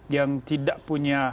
yang tidak punya